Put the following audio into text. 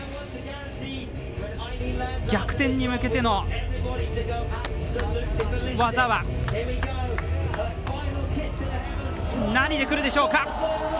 逆転に向けての技は何でくるでしょうか。